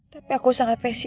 tapi aku sangat penasaran